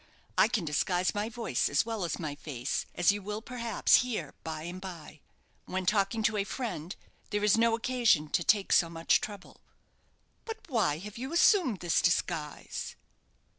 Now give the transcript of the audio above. I can disguise my voice as well as my face, as you will, perhaps, hear by and by. When talking to a friend there is no occasion to take so much trouble." "But why have you assumed this disguise?"